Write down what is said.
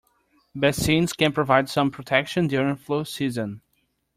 Vaccines can provide some protection during flu season.